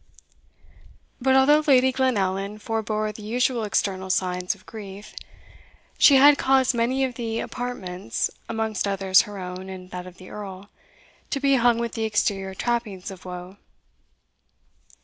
But although Lady Glenallan forebore the usual external signs of grief, she had caused many of the apartments, amongst others her own and that of the Earl, to be hung with the exterior trappings of woe.